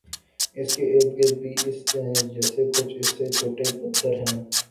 اس کے ارد گرد بھی اس جیسے کچھ اس سے چھوٹے پتھر ہیں